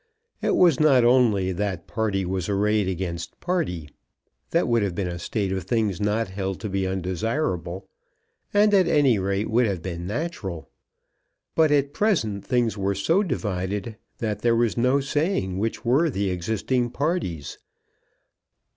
It was not only that party was arrayed against party. That would have been a state of things not held to be undesirable, and at any rate would have been natural. But at present things were so divided that there was no saying which were the existing parties.